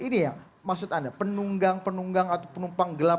ini yang maksud anda penunggang penunggang atau penumpang gelap